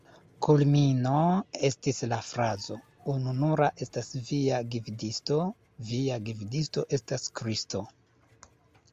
Kulmino estis la frazo: "Ununura estas via gvidisto, via gvidisto estas Kristo.